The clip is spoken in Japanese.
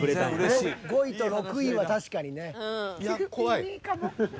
５位と６位は確かにね。いや怖い。